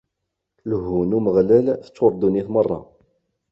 Lehhu n Umeɣlal teččur ddunit merra.